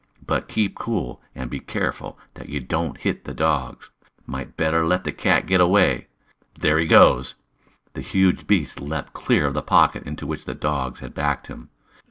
But keep cool. And be careful that you don't hit the dogs. Might better let the cat get away. There he goes!" The huge beast leaped clear of the pocket into which the dogs had backed him.